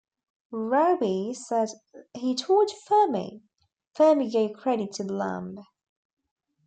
Rabi said he told Fermi; Fermi gave credit to Lamb.